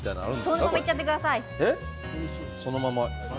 そのままいっちゃってください。